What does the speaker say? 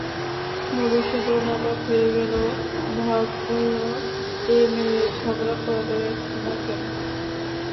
মধুসূদন অবাক হয়ে গেল, ভাবলে এ মেয়ে ঝগড়া করে না কেন!